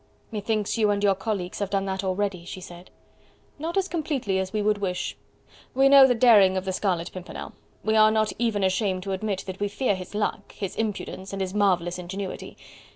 "Methinks you and your colleagues have done that already," she said. "Not as completely as we would wish. We know the daring of the Scarlet Pimpernel. We are not even ashamed to admit that we fear his luck, his impudence and his marvellous ingenuity....